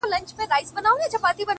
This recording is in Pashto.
• خود نو په دغه يو سـفر كي جادو؛